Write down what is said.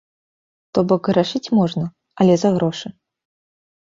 То-бок грашыць можна, але за грошы.